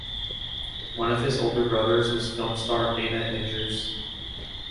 One of his older brothers was film star Dana Andrews.